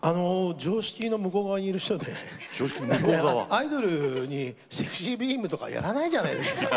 常識の向こう側にいる人でアイドルに「ＳＥＸＹビーム」とかやらないじゃないですか。